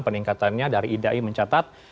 peningkatannya dari idai mencatat